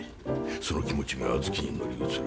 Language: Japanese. その気持ちが小豆に乗り移る。